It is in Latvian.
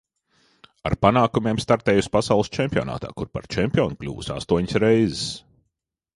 Ar panākumiem startējusi pasaules čempionātā, kur par čempioni kļuvusi astoņas reizes.